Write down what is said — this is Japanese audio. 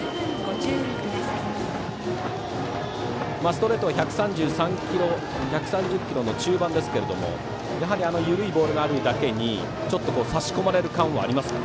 ストレートが１３０キロの中盤ですけどもやはり緩いボールがあるだけに差し込まれる感はあります。